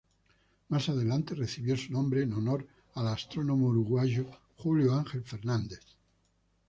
Más adelante recibió su nombre en honor al astrónomo uruguayo Julio Ángel Fernández.